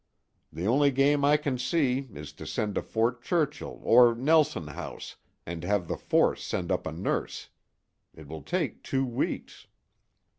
The only game I can see is to send to Fort Churchill or Nelson House and have the force send up a nurse. It will take two weeks."